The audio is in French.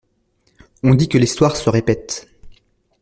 On dit que l’histoire se répète…